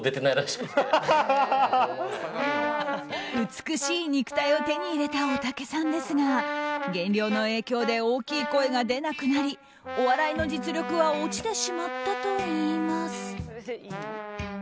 美しい肉体を手に入れたおたけさんですが減量の影響で大きい声が出なくなりお笑いの実力は落ちてしまったといいます。